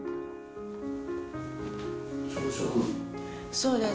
そうです。